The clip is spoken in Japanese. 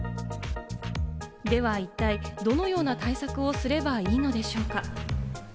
では一体どのような対策をすればいいのでしょうか？